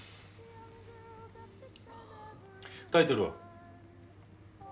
タイトルは？